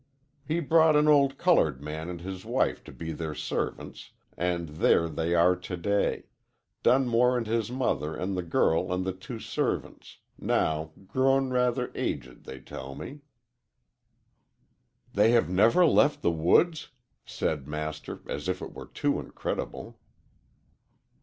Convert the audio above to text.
He brought an old colored man and his wife to be their servants, and there they are to day Dunmore and his mother and the girl and the two servants, now grown rather aged, they tell me." "They have never left the woods?" said Master, as if it were too incredible.